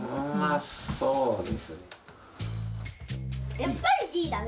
・やっぱりＤだね。